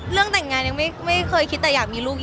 เรื่องแต่งงานยังไม่เคยคิดแต่อยากมีลูกอีก